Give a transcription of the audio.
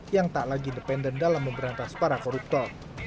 yang tak lagi dependen dalam memberantas para koruptor